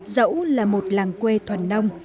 dẫu là một làng quê tuyệt vời